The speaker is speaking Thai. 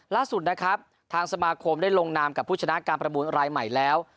ล่าสุดนะครับทางสมาคมได้ลงนามกับผู้ชนะการประมูลรายใหม่แล้ว